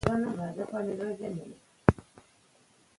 سیستم مخکې له اصلاحاتو کمزوری سوی و.